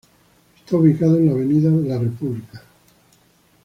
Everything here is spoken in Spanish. Está ubicado en la Avenida La República.